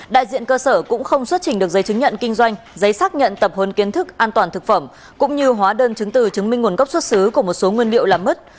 đại diện cơ sở cũng không xuất trình được giấy chứng nhận kinh doanh giấy xác nhận tập huấn kiến thức an toàn thực phẩm cũng như hóa đơn chứng từ chứng minh nguồn gốc xuất xứ của một số nguyên liệu làm mứt